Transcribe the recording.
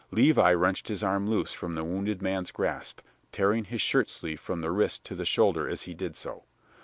Levi wrenched his arm loose from the wounded man's grasp, tearing his shirt sleeve from the wrist to the shoulder as he did so.